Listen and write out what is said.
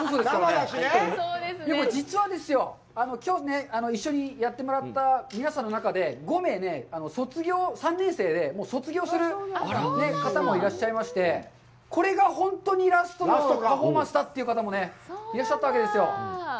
実はですよ、きょう、一緒にやってもらった皆さんの中で、５名ね、３年生で、もう卒業する方もいらっしゃいまして、これが本当にラストのパフォーマンスだという方も、いらっしゃったわけですよ。